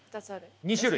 ２種類。